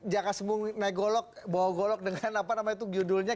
jaka sembung naik golok bawa golok dengan apa namanya itu judulnya